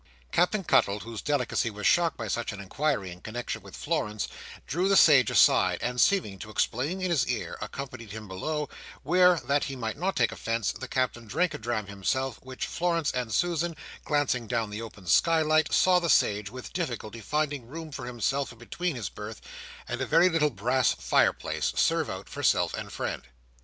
Captain Cuttle, whose delicacy was shocked by such an inquiry in connection with Florence, drew the sage aside, and seeming to explain in his ear, accompanied him below; where, that he might not take offence, the Captain drank a dram himself, which Florence and Susan, glancing down the open skylight, saw the sage, with difficulty finding room for himself between his berth and a very little brass fireplace, serve out for self and friend.